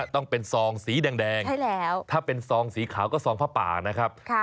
ต้องเป็นซองสีแดงถ้าเป็นซองสีขาวก็ซองผ้าป่านะครับ